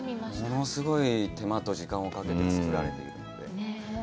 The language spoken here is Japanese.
物すごい手間と時間をかけて作られているので。